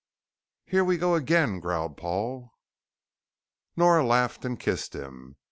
"Here we go again," growled Paul. Nora laughed and kissed him.